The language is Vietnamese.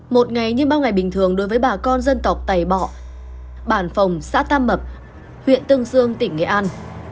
một ngày như bao ngày bình thường đối với bà con dân tộc tày bọ bản phòng xã tam mập huyện tương dương tỉnh nghệ an